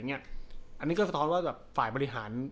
อันนี้ก็สะท้อนว่าฝ่ายบริหาร